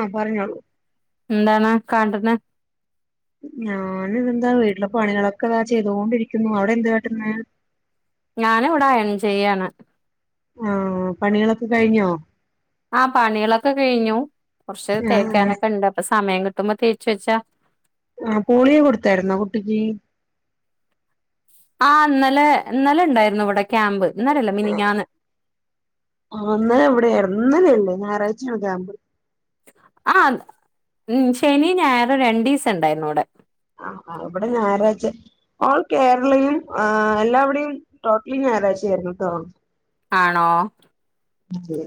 ആഹ് പറഞ്ഞോളൂ എന്താണ് കാണ്ടണ് ഞാന ഇതെന്താ വീട്ടിലെ പണികളൊക്കെ താ ചെയ്തോണ്ടിരിക്കുന്നു അവിടെ എന്ത് കാട്ടുന്ന് ഞാനിവിടെ അയൺ ചെയ്യാണ് ആഹ് പണികളൊക്കെ കഴിഞ്ഞോ ആഹ് പണികളൊക്കെ കയിഞ്ഞു കൊറച്ച് ആഹ് തേക്കാനൊക്കെ ഇണ്ട് അപ്പൊ സമയകിട്ടുമ്പോ തേച്ചവെച്ചാ ആഹ് പോളിയോ കൊടുത്തായിരുന്നോ കുട്ടിക്ക് ആഹ് ഇന്നലെ ഇന്നലെ ഇണ്ടായിരുന്നു ഇവിടെ ക്യാമ്പ് ഇന്നലല്ല മിനിഞ്ഞാന്ന് ഇന്ന് ഇവിടെ ഇന്നലേല്ലേ ഞായറാഴ്ചയാണ് കേമ്പ് ആഹ് ഉം ശനി ഞായറും രണ്ടീസം ഇണ്ടായിരുന്നുവിടെ ആഹ് ഇവിടെ ഞായറാഴ്ച ഓൾ കേരളയും ആഹ് എല്ലാവിടെയും ടോട്ടലി ഞായറാഴ്ചയായിരുന്നുട്ടോ ആണോ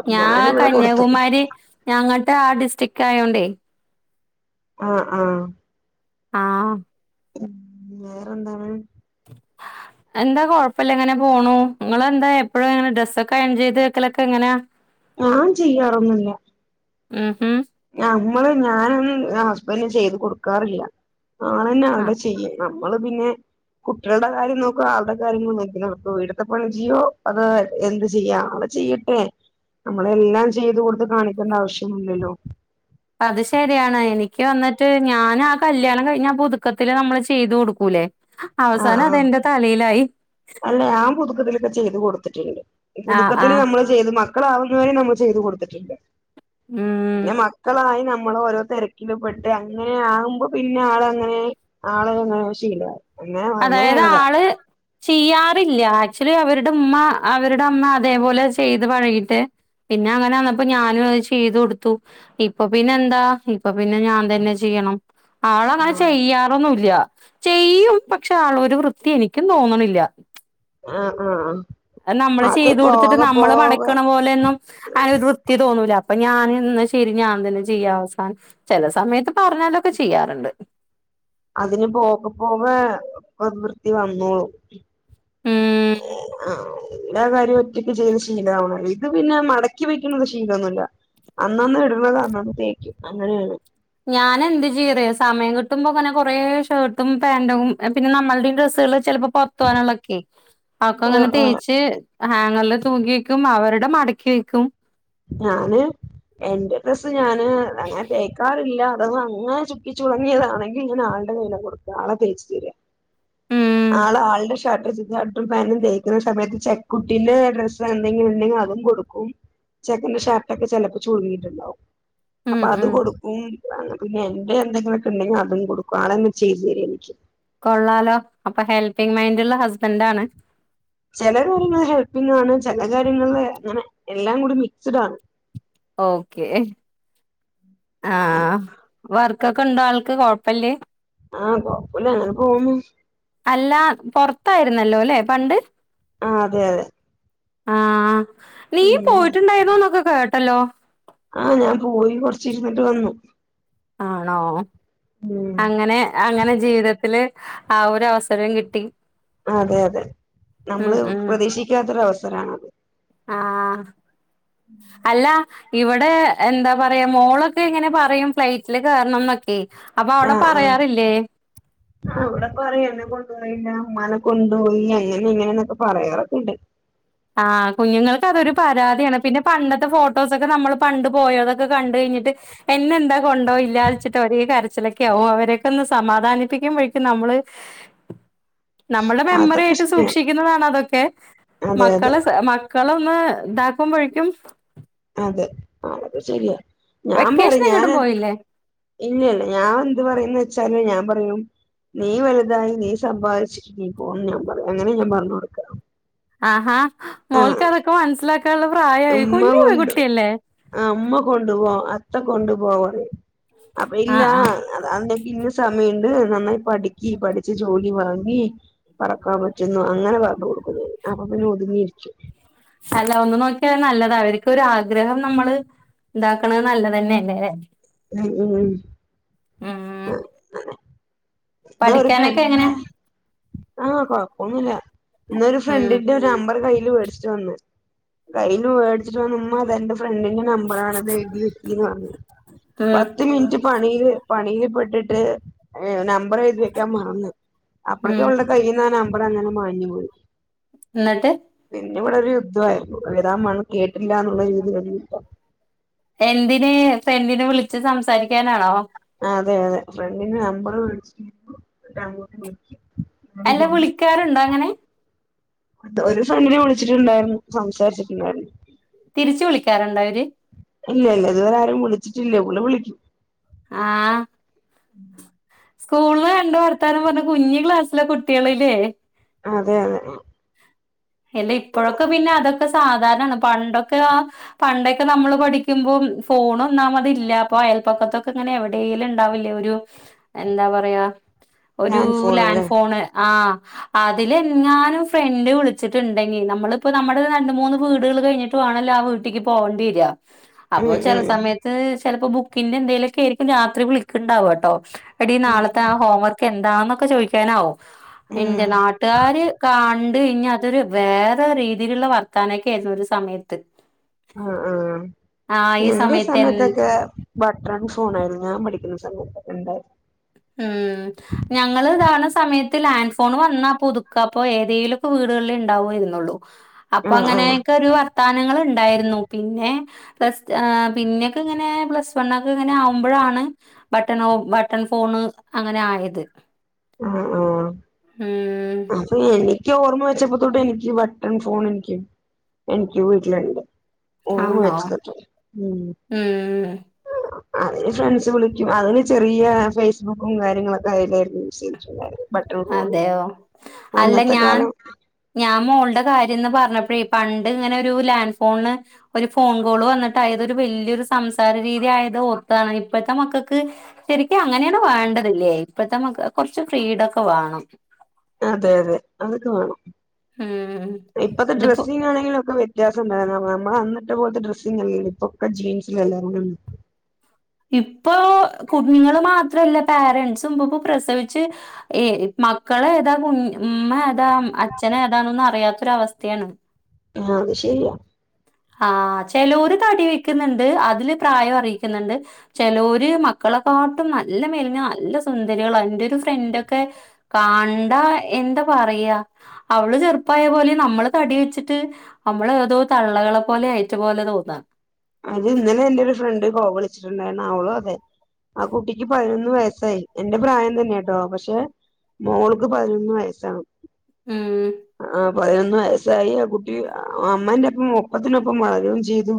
അപ്പൊ ഞാൻ ഞാനിവിടെ കൊടുത്തു കന്യാകുമാരി ഞങ്ങട്ട് ആഹ് ഡിസ്ട്രിക്റ്റ് ആയോണ്ടേ ആഹ് ആഹ് ആഹ് ഉം വേറെന്താണ് എന്താ കൊപ്പില്ല അങ്ങനെപോണു നിങ്ങളന്തെ എപ്പോഴങ്ങനെ ഡ്രസ്സൊക്കെ അയൺചെയ്ത് വെക്കലൊക്കെ എങ്ങനാ ഞാൻ ചെയ്യാറൊന്നുല്ല ഉം നമ്മള് ഞാനൊന്നും ഹസ്ബൻ്റെ ചെയ്ത്കൊടുക്കാറില്ല ആളന്നെ ആ ആൾടെ ചെയ്യു നമ്മള് പിന്നെ കുട്ട്യൾടെകാര്യം നോക്കുവ ആൾടെ കാര്യങ്ങള് നോക്കി നമുക്ക് വീടത്തെ പണി ചെയ്യോ അത് എന്ത് ചെയ്യ ആഹ് ചെയ്യ ല്ലേ നമ്മളെല്ലാം ചെയ്ത് കൊടുത്ത് കാണിക്കണ്ട ആവശ്യല്ലല്ലോ അത് ശരിയാണ് എനിക്ക് വന്നിട്ട് ഞാൻ ആഹ് കല്യാണം കഴിഞ്ഞാ പുതുക്കത്തില് നമ്മള് ചെയ്തു കൊടുക്കൂലേ ആഹ് അവസാനം ആഹ് അതെന്റെ തലയിലായി അല്ല ഞാൻ പുതുക്കത്തിലൊക്കെ ചെയ്ത് കൊടുത്തിട്ടുണ്ട് ആഹ് പുതുക്കത്തിൽ ആഹ് നമ്മള് ചെയ്ത് മക്കളാവുന്നത് വരെ നമ്മൾ ചെയ്ത് കൊടുത്തിട്ടുണ്ട് ഉം പിന്നെ മക്കളായി നമ്മള് ഓരോ തെരക്ക്‌ ക്കില് പെട്ട് അങ്ങനെ ആകുമ്പോ പിന്നെ ആളങ്ങനെ ആളെ അങ്ങനെ ശീലായി അതായത് ആള് ചെയ്യാറില്ല ആക്ച്വലി അവരുടെ ഉമ്മ അവരുടെ അമ്മ അതേപോലെ ചെയ്ത് പഴകിട്ട് പിന്നെ അങ്ങനെ വന്നപ്പോ ഞാനും അത് ചെയ്തു കൊടുത്തു ഇപ്പൊ പിന്നെ എന്താ ഇപ്പൊ പിന്നെ ഞാൻ തന്നെ ചെയ്യണം ആളങ്ങനെ ചെയ്യാറൊന്നുല്ല ചെയ്യും പ പക്ഷെ ആളൊരു വൃത്തി എനിക്കും തോന്നണില്ല ആഹ് ആഹ് നമ്മള് അത് ചെയ്ത് കൊടുത്തിട്ട് പോക നമ്മള് പോക മടക്കണ പോലെ ആ ഒര് വൃത്തി തോന്നൂല അപ്പൊ ഞാൻ എന്ന ശരി ഞാൻ തന്നെ ചെയ്യാം അവസാനം ചെല സമയത്ത് പറഞ്ഞാലൊക്കെ ചെയ്യാറുണ്ട് അതിന് പോക പോക വൃത്തി വന്നോളും ഉം ആ എല്ലാ കാര്യവും ഒറ്റക്ക് ചെയ്ത് ശീലാവണം ഇത് പിന്നെ മടക്കി വെക്കുന്ന ശീലൊന്നുല്ല അന്നന്ന് ഇടൂന്നത് അന്നന്ന് തേക്കും അങ്ങനെ ആണ് ഞാനെന്ത് ചെയ്യറിയോ സമയം കിട്ടുമ്പോ അങ്ങനെ കൊറേ ഷർട്ടും പാൻറു പിന്നെ നമ്മളുടെയും ഡ്രസ്സുകള് ചെലപ്പോ പൊറത്തുവാനുള്ളൊക്കെ അ ഒക്കെ ആഹ് അങ്ങനെ ആഹ് തേച്ച് ഹാങ്ങറില് തൂക്കിവെക്കും അവരുടെ മടക്കി വക്കും ഞാന് എന്റെ ഡസ്സ് ഞാന് അങ്ങനെ തേക്കാറില്ല അഥവാ അങ്ങനെ ചുക്കിച്ചുളിങ്ങിയതാണെങ്കിൽ ഞാൻ ആളുടെ കയ്യിലങ്ങു കൊടുക്കും ആള തേച്ച് തരാ ഉം ആള് ആളുടെ ഷർട്ട് ർട്ടും പാൻ്റും തേക്കുന്ന സമയത്ത് ചെ ക്കുട്ടീന്റെ ഡ്രസ്സ് എന്തെങ്കിലും ഉണ്ടെങ്കിൽ അതും കൊടുക്കും ചെക്കന്റെ ഷാർട്ട് ഒക്കെ ചെലപ്പോ ചുളിങ്ങിട്ടുണ്ടാവും ഉം അപ്പൊ അത് ഉം കൊടുക്കും അങ്ങനെ പിന്നെ എന്റെ എന്തെങ്കിലൊക്കെ ഉണ്ടെങ്കിൽ അതും കൊടുക്കും ആളന്നെ ചെയ്തു തര എനിക്ക് കൊള്ളാലോ അപ്പൊ ഹെൽപ്പിങ്മൈൻ്റ്ള്ള ഹസ്ബൻഡ് ആണ് ചില കാര്യങ്ങൾ ഹെൽപ്പിങ് ആണ് ചെല കാര്യങ്ങളിൽ അങ്ങനെ എല്ലാം കൂടി മിക്സ്ഡ് ആണ് ഓക്കേ ആഹ് വർക്കൊക്കെണ്ടോ ആൾക്ക് കൊഴപ്പല്ലേ ആഹ് കൊഴപ്പല്ല അങ്ങനെ പോകൂന്നു അല്ല പൊറത്തായിരുന്നല്ലോല്ലെ പണ്ട് ആഹ് അതെ അതെ ആഹ് നീയും ഉം പോയിട്ടുണ്ടായിരുന്നുന്നൊക്കെ കേട്ടല്ലോ ആഹ് ഞാൻ പോയി കൊറച്ചിരുന്നിട്ട് വന്നു ആണോ ഉം അങ്ങനെ അങ്ങനെ ജീവിതത്തില് ആ ഒരു അവസരം കിട്ടി അതെ അതെ ഉം നമ്മള് ഉം പ്രതീക്ഷിക്കാത്ത ഒരവസരാണത് ആഹ് അല്ല ഇവടെ എന്താ പറയാ മോളൊക്കെ ഇങ്ങനെ പറയും ഫ്ലൈറ്റില് കേറണന്നൊക്കെ അപ്പൊ അവടെ പറയാറില്ലേ അവ്ട പറയും എന്നെ കൊണ്ടുപോയില്ല ഉമ്മാനെ കൊണ്ടുപോയി അങ്ങനെ ഇങ്ങനെന്നൊക്കെ പറയാറൊക്കെണ്ട് ആഹ് കുഞ്ഞുങ്ങൾക്ക് അതൊരു പരാതിയാണ് പിന്നെ പണ്ടത്തെ ഫോട്ടോസൊക്കെ നമ്മൾ പണ്ട് പോയതൊക്കെ കണ്ട് കഴിഞ്ഞിട്ട് എന്നെന്താ കൊണ്ടോയില്ലന്ന് വെച്ചിട്ട് ഒരേ കരച്ചിലൊക്കെ ക്കാവും അവരൊക്കെ ഒന്ന് സമാധാനിപ്പിക്കുമ്പഴക്കും നമ്മള് നമ്മൾടെ മെമ്മറി അതൊക്കെ ആയിട്ട് ശരിയാണ് സൂക്ഷിക്കുന്നതാണ് അതൊക്കെ അതെ അതെ മക്കള് മക്കളെ ഒന്ന് ഇതാക്കുമ്പഴേക്കും അതെ അതൊക്കെ ശരിയാ. ഞാൻ വെക്കേഷൻ പറിം എങ്ങോട്ടും ഞാന് പോയില്ലേ ഇല്ല്യല്ല, ഞാൻ എന്ത് പറിംന്ന് വെച്ചാല് ഞാൻ പറയും നീ വലുതായി നീ സമ്പാദിച്ചിട്ട് നീ പോ എന്ന് ഞാൻ പറയും, അങ്ങനേ ഞാൻ പർഞ്ഞൊട്ക്ക ആഹാ മോൾക്കതൊക്കെ മനസ്സിലാക്കാനുള്ള പ്രായായി, കുഞ്ഞു പെങ്കുട്ടിയല്ലേ? ആഹ് ഉമ്മ കൊണ്ടു പോ, അത്ത കൊണ്ടു പോ പറിം. അപ്പൊ ഈ ആഹ് ലാ ആഹ് അത അതിനൊക്കെ ഇനി സമയണ്ട്, നന്നായി പഠിക്കി, പഠിച്ച് ജോലി വാങ്ങീ പറക്കാൻ പറ്റുന്നു അങ്ങനെ പറഞ്ഞു കൊടുക്കും ഞാന്. അപ്പൊ പിന്നെ ഒതുങ്ങിയിരിക്കും. അല്ല ഒന്ന് നോക്ക്യാ അത് നല്ലതാ. അവർക്കൊര് ആഗ്രഹം നമ്മള് ഉണ്ടാക്ക്ണേ നല്ലതന്നെലേ [unintelligible] ഉം ഉം ഉം [unintelligible] ഇന്നൊരു പഠിക്കാനൊക്കെ ഫ്രണ്ടിന്റെ എങ്ങനെ ആഹ് കൊഴ്പ്പൊന്നുല്ല. ഇന്നൊരു ഉം ഫ്രണ്ടിന്റെ നമ്പറ് കയ്യില് വേടിച്ചു ച്ചു വന്ന്. കയ്യില് വേട്ച്ച്ട്ട് വന്ന്, ഉമ്മ ഇതെന്റെ ഫ്രണ്ടിൻ്റെ നമ്പറാണ്തെയ്തി വെക്കീന്ന് പർഞ്ഞു. ഉം പത്ത് മിൻറ്റ് പണീല്, പണീല് പെട്ട്ട്ട് ഏ നമ്പറെഴ്തി വെക്കാൻ മറന്ന്. അപ്പേഴ്ക്കെ ഉം അവൾടെ കയ്യ്ന്നാ നമ്പറങ്ങനെ മാഞ്ഞ് പോയി. ഇന്നട്ട് പിന്നിവിടൊരു യുദ്ധവായിരുന്നു. എഴ്താൻ [unintelligible] കേട്ടില്ല എന്നുള്ള രീതീല് [unintelligible] എന്തിന് ഫ്രണ്ടിനെ വിളിച്ച് സംസാരിക്കാനാണോ? ആഹ് അതെ അതെ. ഫ്രണ്ടിന്റെ നമ്പറ് വിളിച്ചിട്ട് [unintelligible] അല്ല വിളിക്കാറ്ണ്ടൊ അങ്ങനെ? അത് ഒരൂസം അങ്ങനെ വിളിച്ചിട്ടുണ്ടായിരുന്നു, സംസാരിച്ചിട്ടുണ്ടായിരുന്നു. തിരിച്ചു വിളിക്കാറുണ്ടൊ അവര്? ഇല്ലല്ല, ഇതുവരെ ആരും വിളിച്ചിട്ടില്ല. പുള്ളി വിളിക്കും. ആഹ് സ്കൂള്ല് കണ്ട് വർത്താനം പറഞ്ഞ്, കുഞ്ഞ് ക്ലാസ്സിലെ കുട്ടികള്ലേ അതെ അതെ എല്ല ഇപ്പൊഴൊക്കെ പിന്നെ അതൊക്കെ സാധാരണാണ്, പണ്ടൊക്കെ ആ പണ്ടൊക്കെ നമ്മള് പഠിക്കുമ്പോം, ഫോണൊന്നാമതില്ല, അപ്പൊ അയൽപ്പക്കത്തൊക്കെങ്ങനെ എവിടെ ടേയ്ലുണ്ടാവില്ലേ ഒരു, എന്താ പറയാ ഒരൂ ലാൻഡ് ഫോണ് ആഹ്. അതിലെങ്ങാനും ഫ്രണ്ട് വിളി ച്ചിട്ട്ണ്ടെങ്കി, നമ്മള്പ്പൊ നമ്മള് രണ്ട് മൂന്ന് വീടുകള് കയ്ഞ്ഞ്ട്ട് വേണല്ലോ ആ വീട്ടിക്ക് പോവണ്ടി വരാ ഉം അപ്പൊ ചെല ഉം സമയത്ത്... ചെലപ്പൊ ബുക്കിൻ്റെ എന്തേലൊക്കേരിക്കും രാത്രി വിളിക്ക്ണ്ടാവട്ടോ എടീ ഉം നാളത്തെ ആ ഹോം വർക്കെന്താന്നൊക്കെ ചോയ്ക്കാനാവും. എൻ്റെ ഉം നാട്ട് ട്ടുകാര് കാണ്ട് ഇഞ്ഞ അതൊര് വേറെ രീതീല്ള്ള വർത്താനൊക്കേയിരുന്നു ഒരു സമയത്ത് അ ആഹ്. ആഹ് ഈ എന്റെ സമയത്ത് എൻ സമയത്തൊക്കേ ബട്ട്റൺ സോണായിരുന്നു ഞാൻ പഠിക്കുന്ന സമയത്തൊക്കെ ഉണ്ട ഊം ഞങ്ങള് താവ്ണ സമയത്ത്, ലാൻഡ് ഫോണ് വന്നാ പുതുക്കാ അപ്പോ, ഏതേലൊക്കെ വീടുകളിലേ ഇണ്ടാവായിരുന്നൊള്ളൂ. ആഹ് ആഹ് അപ്പങ്ങനേക്കൊരു വർത്താനങ്ങള്ണ്ടായിരുന്നു, പിന്നെ പ്ലസ്ട് ആഹ് പിന്നേക്കെങ്ങനേ പ്ലസ് വണ്ണെക്കെങ്ങനെ ആവുമ്പഴാണ് ബട്ടൺഓ ബട്ടൺ ഫോണ് അങ്ങനെ ആയത്. അ ഉം ആഹ് അ എനിക്ക് ഓർമ്മ വെച്ചപ്പത്തൊട്ട് എനിക്ക് ബട്ടൺ ഫോണെനിക്ക്, എനിക്ക് വീട്ടില്ണ്ട്. ഓർമ്മ വെച്ച [unintelligible] തൊട്ട് ഉം ഉം ഉം അതില് ഫ്രണ്ട്സ് വിളിയ്ക്കും. അതില് ചെറിയ ഫെയ്സ്ബുക്കും കാര്യങ്ങളൊക്കെ അതയ്ലായിരുന്നു യൂസെയ്തിട്ടുണ്ടായിരുന്നെ. ബട്ടൺ ഫോണില്, അതെയോ അല്ല അന്നത്തെ ഞാൻ കാലം ഞാൻ മോൾടെ കാര്യംന്ന് പറഞ്ഞപ്പഴേ, പണ്ട്ങ്ങനെ ഒരു ലാൻഡ് ഫോണ് ഒരു ഫോൺ കോള് വന്ന്ട്ട് അയ്തൊരു വൽയൊരു സംസാര രീതിയായത് ഓർത്താണ്. ഇപ്പഴ്ത്തെ മക്കക്ക് ശരിക്കും അങ്ങനെയാണ് വേണ്ടതില്ലേ ഇപ്പഴത്തെ നമുക്ക് കുറച്ച് ഫ്രീഡൊക്കെ വേണം അതെ അതെ അതൊക്കെ വേണം ഉം ഇപ്പത്തെ ഇതിപ്പോ ഡ്രെസ്സിങ്ങാണെങ്കിലുംക്കെ വ്യത്യാസം ഉണ്ട് നമ്മള് അനിട്ട് പോലത്തെ ഡ്രസ്സില്ല ഇപ്പൊക്കെ ജീൻസല്ലാവര ഇപ്പൊ കുഞ്ഞുങ്ങള്ൾ മാത്രല്ല പോരന്റ്സ് മുമ്പ ഇപ്പോ പ്രസവിച്ച് ഏഹ് മക്കള ഏതാ ഉമ്മ ഏതാ അച്ഛന ഏതാണൊും അറിയാത്തൊര അവസ്ഥയാണ് ആഹ് അത് ശരിയാ ആഹ് ചിലര് തടി വെക്കുന്നുണ്ട് അതില് പ്രായം അറിയിക്കുന്നുണ്ട് ചിലര് മക്കളെക്കാട്ടും നല്ല മേലിന്ന നല്ല സുന്ദരികൾ അതിന്റെ ഒരു ഫ്രണ്ട്ക്കെ കണ്ടാ എന്താ പറയാ അവള് ചെറുപ്പായ പോലെ നമ്മള് തടി വെച്ചിട്ട് നമ്മള് ഏതോ തള്ളകളെ പോലെ ആയറ്റ പോലെ തോന്നാം അത് ഇന്നലെ എന്റെറെ ഒരു ഫ്രണ്ട് കോ വിളിച്ചിട്ടുണ്ടായിരരുന്നു ആഹ് അവളോ അതെ ആഹ് കുട്ടിക്ക് പതിനൊന്ന് വയസ്സായി എന്റെ പ്രായം തന്നെ കേട്ടോ പക്ഷെ മോൾക്ക് പതിനൊന്ന് വയസ്സാണ് ഉം ആഹ് പതിനൊന്ന് വയസായി ആഹ് കുട്ടി അമ്മന്റെ ഒപ്പം ഒപ്പത്തിനൊപ്പം വളരുകയും ചെയ്തു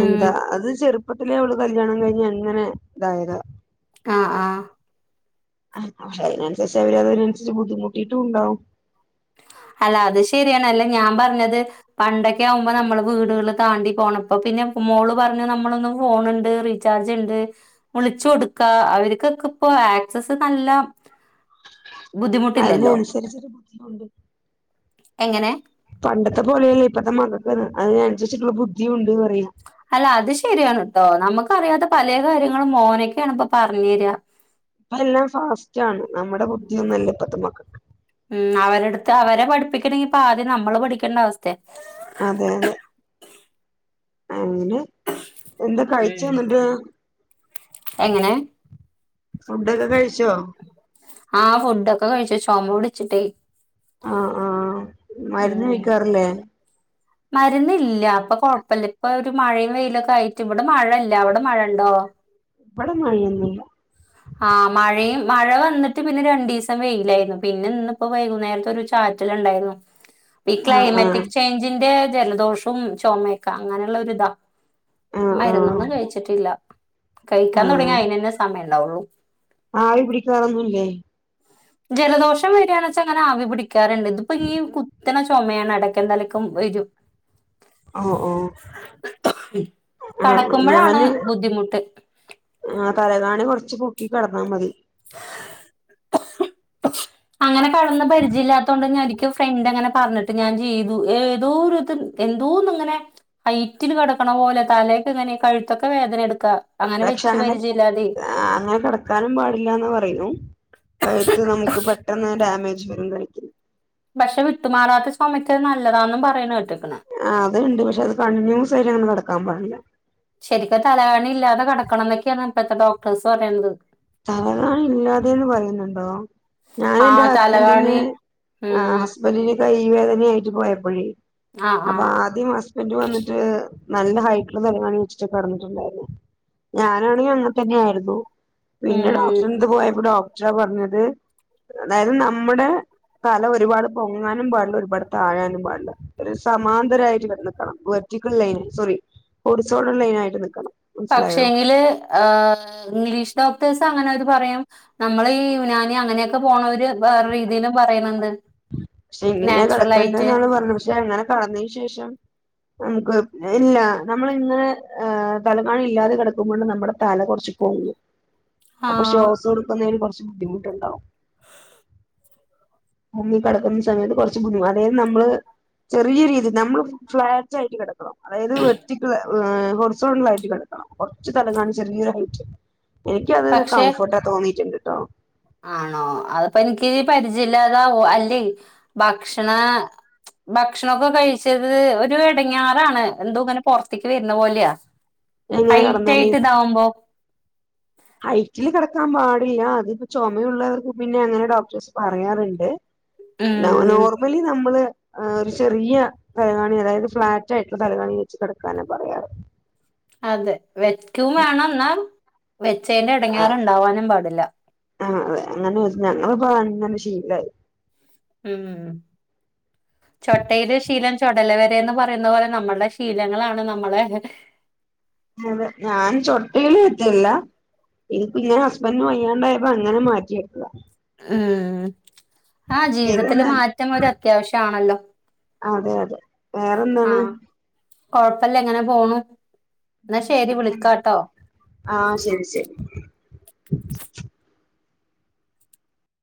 എന്താ അത് ചെറുപ്പത്തിലെ അവള് കല്യാണം കഴിഞ്ഞഞ് എങ്ങനെ ഇതായത് ആഹ് ആഹ് ആഹ് അതിനനുസരിച്ച് അവര് അതിനനുരി ബുദ്ധിമുട്ടിട്ടും ഉണ്ടാവും അല്ല അത് ശരിയണല്ല ഞാൻ പറഞ്ഞത് പണ്ടൊക്കെ ആകുമ്പോ നമ്മള് വീടുകള് താണ്ടി പോണം ഇപ്പ പിന്നെ മോള് പറഞ്ഞു നമ്മളൊന്നും ഫോണുണ്ട് ചജ് ഉണ്ട് വിളിച്ചു കൊടുക്ക അവർക്കൊക്കെ ഇപ്പ ആക്സ നല്ല ബുദ്ധിമുട്ടില്ലല്ലോ അതിനനുസരിച്ചൊരു ബുദ്ധിമുണ്ട് എങ്ങനെ പണ്ടത്തെ പോലെയല്ല ഇപ്പഴത്തെ മകൾക്ക് അതിനനുസരിച്ചിട്ടുള്ള ബുദ്ധിണ്ട്ന്ന് പറയാ അല്ല അത് ശരിയാണ് കേട്ടോ നമുക്ക അറിയാത്ത പല കാര്യങ്ങൾ മോനക്കാണ് ഇപ്പ പറഞ്ഞു തരിക ഇപ്പ എല്ലാം ഫാസ്റ്റ് ആണ് നമ്മുടെ ബുദ്ധിയൊന്നുംല്ല ഇപ്പത്തക്ക മക്കക്ക് ഉം അവരെടുത്ത് അവരെ പഠിപ്പിക്കണെങ്കിപ്പ ആദ്യം നമ്മള് പഠിക്കേണ്ട അവസ്ഥയ അതെ അതെ അങ്ങനെ എന്താ കഴിച്ച ഉം. എന്നിട്ട് എങ്ങനെ ഫുഡൊക്കെ കഴിച്ചോ ആഹ് ഫുഡ്ക്കെ കഴിച്ചു ചുമ പിടിച്ചിട്ടേ ആഹ് ആഹ് മരുന്ന് ഉം കഴിക്കാറില്ലേ [inaudible] മരുന്നില്ല അപ്പൊ കൊഴപ്പില്ല ഇപ്പൊ ഒരു മഴയും വെയിലൊക്കെ ആയിട്ട് ഇവിടെ മഴ അല്ല അവിടെ മഴ ഇണ്ടോ ഇവട മഴയന്നല്ല ആഹ് മഴയും മഴ വന്നിട്ട് പിന്നെ രണ്ടു ദിവസം വെയിലായിരുന്നു പിന്നെ ഇന്നിപ്പോ വൈകുന്നേരത്തെ ഒരു ച റ്റല ഉണ്ടായിരുന്നു ഇപ്പ ഈ ആഹ് ആഹ് ക്ലൈമാറ്റിക് ചേഞ്ചിന്റെ ജലദോഷവും ചുമയൊക്കെ അങ്ങനെയുള്ള ഇതാ ആഹ് ആഹ് മരുന്നൊന്നും കഴിച്ചിട്ടില്ല കഴിക്കാൻ തുടങ്ങി ആഹ് അയിന് തന്നെ സമയം ഉണ്ടാവുള്ളു ആവി പിടിക്കാറൊന്നൂല്ലേ ജലദോഷം വരികയാണ വെച്ചാ അങ്ങനെ ആവി പിടിക്കാറുണ്ട് ഇതിപ്പോ ഈ കുത്തണ ചുമയാണ് അടക്ക എന്തലക്കും വരും ആഹ് ഓ കടക്കുമ്പോഴാണ് ഞാന് ബുദ്ധിമുട്ട് ആഹ് തലകാണി കുറച്ച് പൊക്കി കിടന്നാൽ മതി അങ്ങനെ കടന്ന പരിചയ ഇല്ലാത്ത കൊണ്ട് രിക്കും ഫ്രണ്ട് എങ്ങനെ പറഞ്ഞിട്ട് ഞാൻ ചെയ്തു ഏതോ ഒരുത് എന്തോന്ന ഇങ്ങനെ ഹൈറ്റിൽ കിടക്കണ പോലെ തലേക്ക് ഇങ്ങനെ കഴുത്തൊക്കെ വേദന എടുക്കാ അങ്ങനെ വെച്ച് പരിചയമല്ലാതെ ആഹ് അങ്ങനെ കെടക്കാനും പാടില്ലാന്ന് പറയുന്നു. കഴുത്ത് നമുക്ക് പെട്ടെന്ന് ഡായമേജ് വരുല്ലെ പക്ഷെ വിട്ടുമാറാത്ത ചോമക്കത് നല്ലതാന്നും പറയ്ണ കെട്ടേക്കണേ ആ അത് ഇണ്ട് പക്ഷെ അത് കണ്ടിന്യൂസായിട്ട് അങ്ങനെ കെടക്കാൻ പടില്ല. ശരിക്കും തലണില്ലാതെ കെടക്കണന്നൊക്കെയാണ് ഇപ്പഴ്ത്തെ ഡോക്ടേഴ്സ് പറയണത്. തവണ ഇല്ലാതെന്ന് പറയുന്നുണ്ടോ ഞാൻ ആ എന്റെ ഹസ്ബൻ്റിന് തലകാണി ആ ഉം. ഹസ്ബന്റിന് കൈ വേദനയായിട്ട് പോയപ്പെഴെ ആ ആ. അപ്പൊ ആദ്യം ഹസ് ഹസ്ബൻഡ് വന്നിട്ട് നല്ല ഹൈറ്റിലുള്ള തലക്കാണി വച്ചിട്ട് കെടന്നിട്ടുണ്ടായിരുന്നു. ഞാനാണെങ്കി അങ്ങനെ തന്നെയാ യിരുന്നു. പിന്നെ ഉം. ഡോക്ടറിന്റെ അടുത്ത് പോയപ്പോ ഡോക്ടറാ പറഞ്ഞെത് അതായത് നമ്മുടെ- തല ഒരുപാട് പൊങ്ങാനും പാടില്ല. ഒരുപാട് താഴാനും പാടില്ല ഒരു സമാന്തരയിട്ട് വന്നിക്കെണം വെർറ്റിക്ക് ലൈയിനിൽ സോറി ഹോറി സൊഡർ ലൈനായിട്ട് നിൽക്കണം. പക്ഷെയെങ്കില് ആഹ് ഇംഗ്ലീഷ് ഡോക്ടേഴ്സ് അങ്ങനെ അവര് പറയും. നമ്മള് ഈ യുനാനി അങ്ങനെയൊക്കെ പോണര് വേറെ രീതിയിലും പറയ്ന്നുണ്ട്. ഷെകിനെ കെടക്കെണ്ടന്നാണ് പറഞ്ഞത് പക്ഷെ അങ്ങനെ കെടന്നെന് ശേഷം- നമുക്ക് ഇല്ല നമ്മള് ഇന്ന് തലകാണാ ഇല്ലാതെ കെടക്കുമ്പോഴാ നമ്മുടെ തല കെറച്ച് പോങ്ങും [inaudible] അപ്പൊ ശ്വാസം എടുക്കുന്നതിന് കൊറച്ച് ബുദ്ധിമുട്ടുണ്ടാവും. നമ്മള് ഈ കെടക്കുന്ന സമയത്ത് കൊറച്ച് ബുദ്ധിമുട്ട് അതെയും നമ്മള്. ചെറിയ രീതി നമ്മള് ഫ്ളാറ്റായിട്ട് കെടക്കെണം. അതായത് വെർട്ടിക്ള് ഹോറിസോണ്ടലായിട്ട് കെടക്കണം കൊറച്ച് തലകാണിച്ച് ചെറിയൊരു ഹൈറ്റ്. എനിക്ക് അതാ പക്ഷെ കംഫോർട്ടാ തോന്നിയിട്ടുണ്ട് ട്ടോ ആണോ അതിപ്പയെനിക്ക് പരിജയ മില്ലാതാവോ അല്ലെയ് ഭക്ഷണാ- ഭക്ഷണൊക്കെ കഴിച്ചത് ഒരുയെട ങ്ങെറാണ് എന്തൊ ഇങ്ങനെ പൊറത്തേക്ക് വര്ന്നപോലയാ. എങ്ങനെ കിടന്നാല് ഹൈയിറ്റായിട്ടിതാവുമ്പോ. ഹൈറ്റില് കെടക്കാന് പാടില്ല അതിപ്പോ, ചൊമയുള്ളവർക്ക് പിന്നെ അങ്ങനെ ഡോക്ടേഴസ് പറയാറുണ്ട്. ഉം നോർമലീ നമ്മള്- ആഹ് ഒരു ചെറിയ തലകാണ അതായത് ഫ്ളാറ്റായിറ്റ് തലകാണ വെച്ച് കെടക്കാനാ പറയാറ്. അതെ വെക്കും വേണംയെന്നാ വെച്ചേന്റെ എടങ്ങയറുണ്ടാവാനും പാടില്ല. ആഹ് അതെ അങ്ങനെ വെച്ച് ഞങ്ങളും ഇപ്പയങ്ങനെ ശീലായി. ഉം ചൊട്ടയിലെ ശീലം ചൊടല വെരെന്ന് പറയുന്നത് പോലെ നമ്മളെ ശീലങ്ങളാണ് നമ്മളെ - അതെ ഞാൻ ചൊട്ടയിലും എത്തിയില്ല. ഇനി പിന്നെ ഹസ്ബൻ്റിന് വയ്യാണ്ടായപ്പോ അങ്ങനെ മാറ്റിവെച്ചെതാ. [unintelligible] ആ ശരി ജീവിതത്തില് എന്നാൽ മാറ്റം ഒരു അത്യാവശ്യണല്ലോ. അതെ അതെ. വേറെന്താണ് ആഹ്, കൊഴപ്പില്ല ഇങ്ങനെ പോണു. എന്നാ ശരി പിന്നെ വിളിക്കാട്ടോ ആഹ് ശരി ശരി